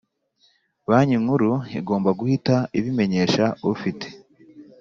Banki Nkuru igomba guhita ibimenyesha ufite